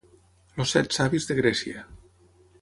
Els set savis de Grècia.